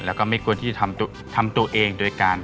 แล้วก็ไม่ควรที่จะทำตัวเองโดยการ